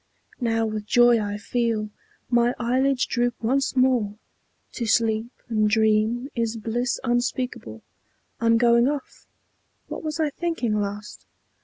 Now with joy I feel My eyelids droop once more. To sleep and dream Is bliss unspeakable; I'm going off; What was I thinking last?